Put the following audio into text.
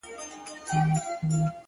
o راډيو ـ